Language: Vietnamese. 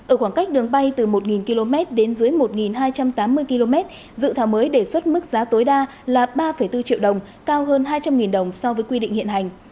ở khoảng cách đường bay từ một km đến dưới một hai trăm tám mươi km dự thảo mới đề xuất mức giá tối đa là ba bốn triệu đồng cao hơn hai trăm linh đồng so với quy định hiện hành